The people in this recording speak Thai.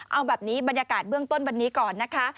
เอาแบบนี้บรรยากาศเบื้องต้นวันนี้ก่อนนะคะ